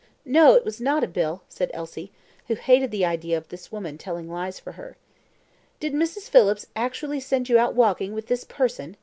"No; it was not a bill," said Elsie, who hated the idea of this woman telling lies for her. "Did Mrs. Phillips actually send you out walking with this person?"